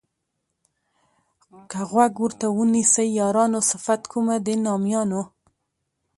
که غوږ ورته ونیسئ یارانو صفت کومه د نامیانو.